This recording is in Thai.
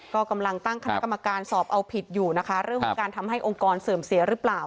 ก็กำลังตั้งคณะกรรมการสอบเอาผิดอยู่นะคะเรื่องของการทำให้องค์กรเสื่อมเสียหรือเปล่า